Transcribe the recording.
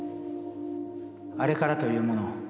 あれからというもの